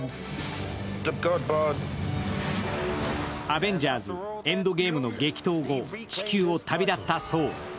「アベンジャーズ／エンドゲーム」の激闘後、地球を旅立ったそー。